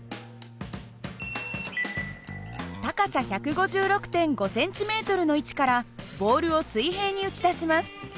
高さ１５６．５ｃｍの位置からボールを水平に打ち出します。